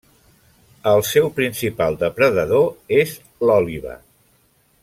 El seu principal depredador és l'òliba.